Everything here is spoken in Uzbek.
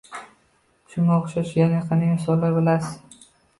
Shunga oʻxshash yana qanday misollarni bilasiz